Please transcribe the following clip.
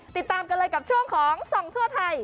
ติดตามกันเลยกับช่วงของส่องทั่วไทย